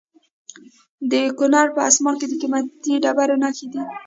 د کونړ په اسمار کې د قیمتي ډبرو نښې دي.